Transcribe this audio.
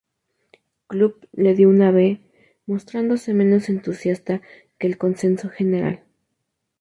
Club", le dio una B, mostrándose menos entusiasta que el consenso general.